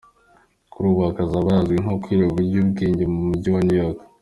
kuri ubu hakaba hazwi nko ku kirwa cy’ubwigenge mu mujyi wa New York.